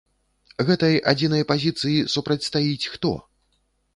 Гэтай адзінай пазіцыі супрацьстаіць хто?